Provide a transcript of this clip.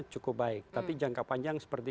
cukup baik tapi jangka panjang seperti